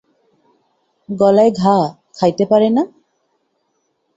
গলায় ঘা, খাইতে পারে না?